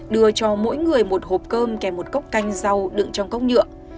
đưa cho mỗi người một hộp cơm kèm một cốc canh rau đựng trong cốc nhựa